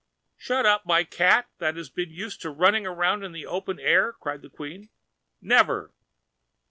"Shut up my cat that has been used to running around in the open air?" cried the Queen. "Never!"